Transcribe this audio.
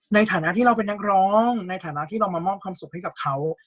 ในฐานะที่เราเป็นนักร้องในฐานะที่เรามามอบความสุขให้กับเขา